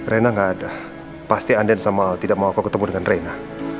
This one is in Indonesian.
reina nggak ada pasti anden sama al tidak mau aku ketemu dengan reina